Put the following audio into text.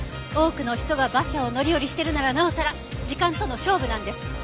多くの人が馬車を乗り降りしてるならなおさら時間との勝負なんです！